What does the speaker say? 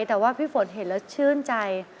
แต่ว่าพี่ฝนเห็นแล้วชื่นใจ